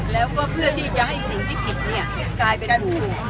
แล้วก็เพื่อที่จะให้สิ่งที่ผิดกลายเป็นถูก